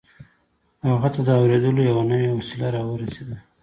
هغه ته د اورېدلو يوه نوې وسيله را ورسېده.